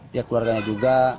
dia keluarganya juga